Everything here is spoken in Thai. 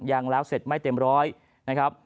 ยังแล้วเสร็จไม่เต็มร้อยนะครับ